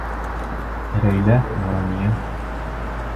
Рәйлә, Нурания.